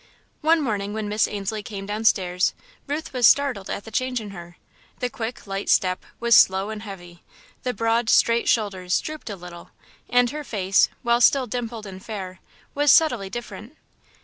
One morning, when Miss Ainslie came downstairs, Ruth was startled at the change in her. The quick, light step was slow and heavy, the broad, straight shoulders drooped a little, and her face, while still dimpled and fair, was subtly different.